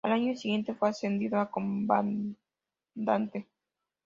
Al año siguiente fue ascendido a comandante.